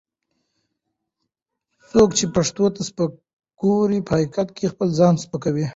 څوک چې پښتو ته سپک ګوري، په حقیقت کې خپل ځان سپکوي